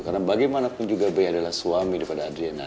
karena bagaimanapun juga be adalah suami kepada adriana